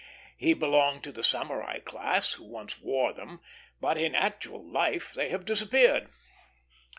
He belonged to the samurai class, who once wore them; but in actual life they have disappeared.